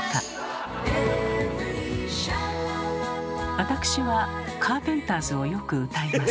わたくしはカーペンターズをよく歌います。